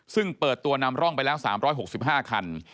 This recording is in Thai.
ซึ่งเปิดตัวนำร่องไปแล้ว๓๖๕คัน